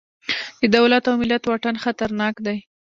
د دولت او ملت واټن خطرناک دی.